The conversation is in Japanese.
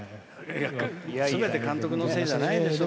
すべて監督のせいじゃないですよ。